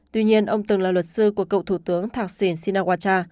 tuy nhiên ông từng là luật sư của cựu thủ tướng thạc xỉn sinawacha